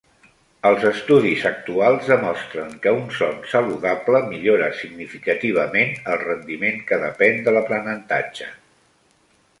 Els estudis actuals demostren que un son saludable millora significativament el rendiment que depèn de l'aprenentatge.